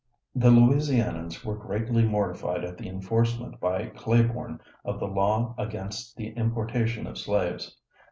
The Louisianians were greatly mortified at the enforcement by Claiborne of the law against the importation of slaves.